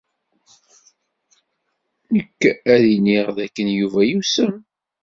Nekk ad d-iniɣ dakken Yuba yusem.